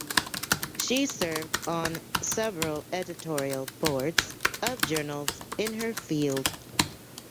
She served on several editorial boards of journals in her field.